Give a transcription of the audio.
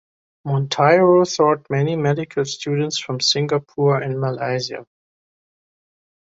Monteiro taught many medical students from Singapore and Malaysia.